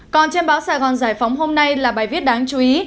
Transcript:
còn trên báo sài gòn giải phóng hôm nay là bài viết đáng chú ý